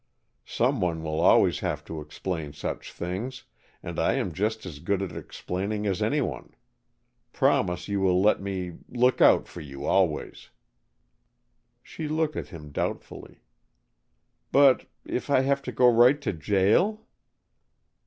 Someone will always have to explain such things, and I am just as good at explaining as anyone. Promise you will let me look out for you always." She looked at him doubtfully. "But if I have to go right to jail?"